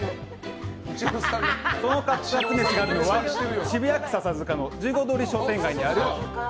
そのカツカツ飯があるのは渋谷区笹塚の十号通り商店街にある味